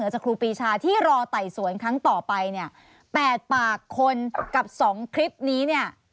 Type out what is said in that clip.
ซึ่งในส่วนครั้งต่อไปเนี่ยแปดปากคนกับสองคลิปนี้เนี่ย